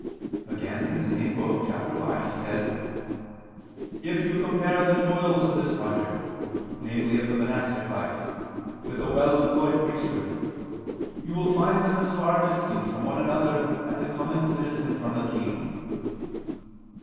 Again in the same book (ch. 5) he says: "If you compare the toils of this project, namely of the monastic life, with a well employed priesthood, you will find them as far distant from one another as a common citizen is from a king."